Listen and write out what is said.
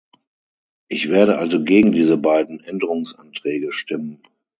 Ich werde also gegen diese beiden Änderungsanträge stimmen.